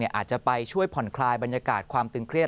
อาจจะไปช่วยผ่อนคลายบรรยากาศความตึงเครียด